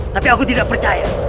tapi aku tidak percaya